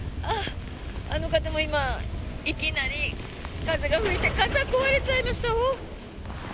あの方も今、いきなり風が吹いて傘が壊れちゃいました。